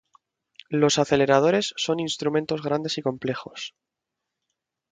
Los aceleradores son instrumentos grandes y complejos.